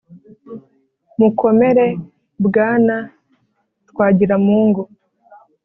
Mukomere Bwana Twagiramungu,